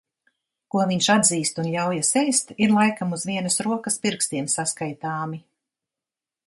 Ko viņš atzīst un ļaujas ēst, ir laikam uz vienas rokas pirkstiem saskaitāmi.